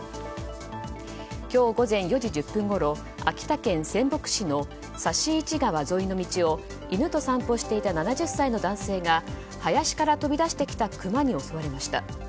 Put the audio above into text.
今日午前４時１０分ごろ秋田県仙北市の刺市川沿いの道を犬と散歩してた７０歳の男性が林から飛び出してきたクマに襲われました。